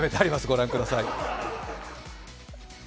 御覧ください。